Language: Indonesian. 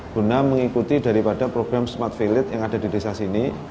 guna mengikuti daripada program smart village yang ada di desa sini